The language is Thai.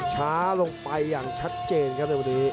ช้าลงไปอย่างชัดเจนครับในวันนี้